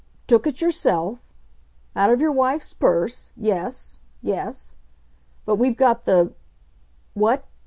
Took it yourself? Out of your wife's purse yes.... Yes. But we've got the What?